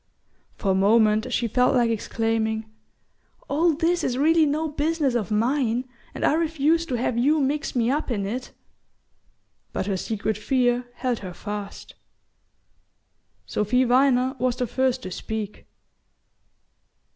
For a moment she felt like exclaiming: "All this is really no business of mine, and I refuse to have you mix me up in it " but her secret fear held her fast. Sophy Viner was the first to speak.